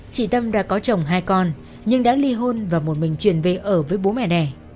chị tâm đã có chồng hai con nhưng đã ly hôn và một mình chuyển về ở với bố mẹ đẻ